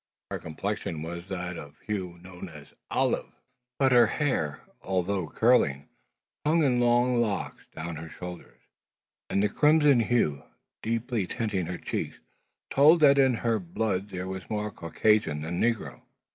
Her complexion was of that hue known as olive; but her hair, although curling, hung in long locks down over her shoulders; and the crimson hue deeply tinting her cheeks told that in her blood there was more Caucasian than negro.